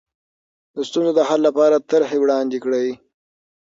د ستونزو د حل لپاره طرحې وړاندې کړئ.